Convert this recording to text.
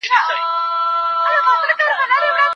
موټر چلونکی خپله چوکۍ د خوب لپاره لږ نوره هم شاته کوي.